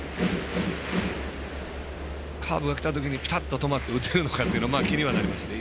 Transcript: カーブがきた時にピタッと止まって打てるのかというのは気にはなりますね。